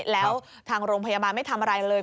แล้วทางโรงพยาบาลไม่ทำอะไรเลย